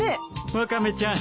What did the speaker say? ワカメちゃん